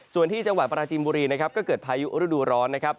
ส่วนที่จังหวัดปราจินบุรีนะครับก็เกิดพายุฤดูร้อนนะครับ